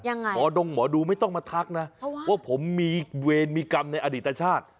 ยังไงพอดงหมอดูไม่ต้องมาทักนะว่าผมมีเวรมีกรรมในอดีตชาติ